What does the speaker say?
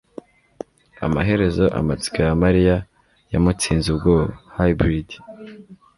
Amaherezo amatsiko ya mariya yamutsinze ubwoba (Hybrid)